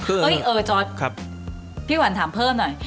เฮ้ยเออจอร์ดพี่หวันถามเพิ่มหน่อย